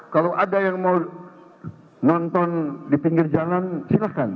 kalau ada yang mau nonton di pinggir jalan silahkan